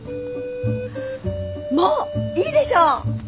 もういいでしょ！